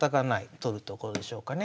取るところでしょうかね。